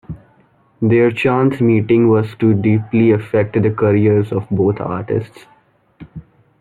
Their chance meeting was to deeply affect the careers of both artists.